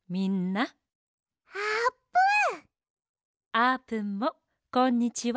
あーぷんもこんにちは。